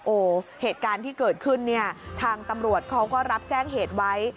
เหตุการณ์ที่เกิดขึ้นเนี่ยทางตำรวจเขาก็รับแจ้งเหตุไว้